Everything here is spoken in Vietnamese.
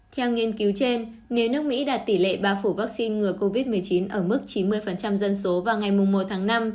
theo nghiên cứu trên nếu nước mỹ đạt tỷ lệ bao phủ vaccine ngừa covid một mươi chín ở mức chín mươi dân số vào ngày một tháng năm